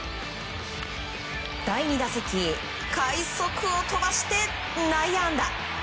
第２打席快足を飛ばして内野安打。